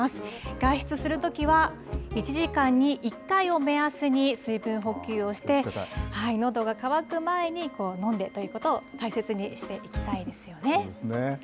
外出するときは、１時間に１回を目安に、水分補給をして、のどが渇く前に飲んでということを大切そうですね。